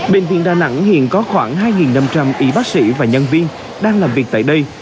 bệnh viện đà nẵng hiện có khoảng hai năm trăm linh y bác sĩ và nhân viên đang làm việc tại đây